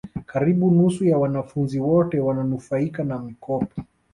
karibu nusu ya wanafunzi wote wananufaika na mikopo